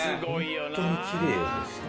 ホントにきれいですね。